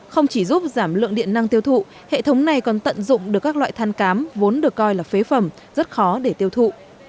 không chỉ giúp giảm lượng điện năng tiêu thụ hệ thống này còn tận dụng được các loại than cám vốn được coi là phế phẩm rất khó để tiêu thụ